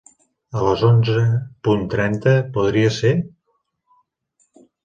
A les onze punt trenta, podria ser?